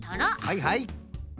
はいはい。